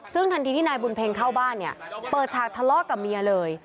ซึ่งทันทีที่นายบุญเพ็งเข้าบ้านเนี่ยเปิดฉากทะเลาะกับเมียเลย